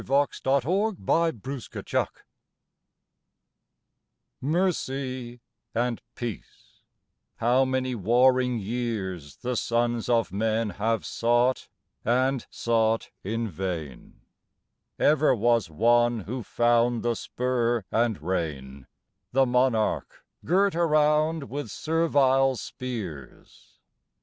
154 ON THE GREAT WAR KINGSHIP Mercy and peace how many warring years The sons of men have sought, and sought in vain I Ever was one who found the spur and rein The monarch, girt around with servile spears.